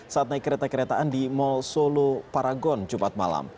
saat naik kereta keretaan di mall solo paragon jumat malam